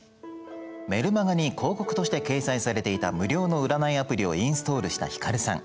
メルマガに広告として掲載されていた無料の占いアプリをインストールした光さん。